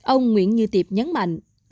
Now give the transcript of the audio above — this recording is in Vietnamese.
ông nguyễn như tiệp nhấn mạnh